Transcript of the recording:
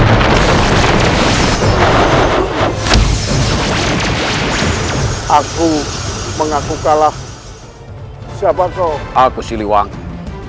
ada keperluan apa prabu siliwangi